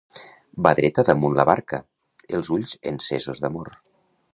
Va dreta damunt la barca, els ulls encesos d’amor.